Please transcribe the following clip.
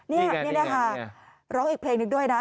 นี่นะคะร้องอีกเพลงหนึ่งด้วยนะ